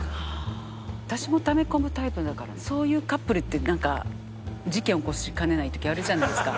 私もため込むタイプだからそういうカップルってなんか事件起こしかねない時あるじゃないですか。